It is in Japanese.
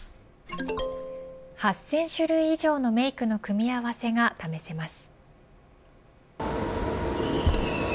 ８０００種類以上のメイクの組み合わせが試せます。